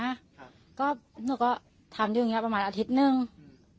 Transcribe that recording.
ครับก็หนูก็ทำอยู่อย่างเงี้ประมาณอาทิตย์หนึ่งอืม